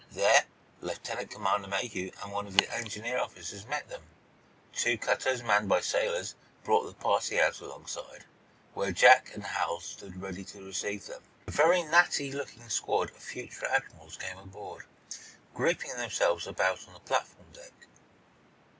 There Lieutenant Commander Mayhew and one of his engineer officers met them. Two cutters manned by sailors brought the party out alongside, where Jack and Hal stood ready to receive them. A very natty looking squad of future admirals came aboard, grouping themselves about on the platform deck.